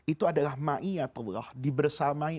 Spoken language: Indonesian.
itu adalah ma'iyatullah dibersamai